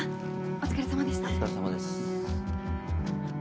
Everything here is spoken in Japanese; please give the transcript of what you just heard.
お疲れさまです。